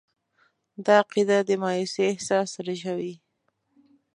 دا عقیده د مایوسي احساس رژوي.